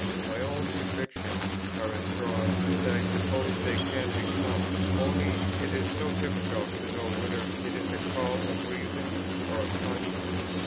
My own convictions are as strong as I suppose they can become: only it is so difficult to know whether it is a call of reason or of conscience.